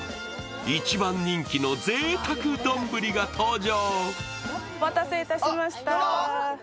一番人気のぜいたく丼が登場。